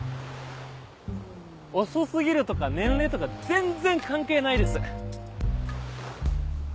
遅過ぎるとか年齢とか全然関係ないです。